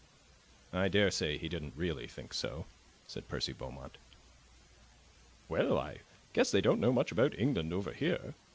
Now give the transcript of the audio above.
"I daresay he didn't really think so," said Percy Beaumont. "Well, I guess they don't know much about England over here!"